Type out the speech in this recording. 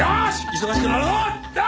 忙しくなるぞ！